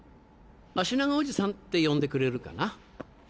「あしながおじさん」って呼んでくれるかな。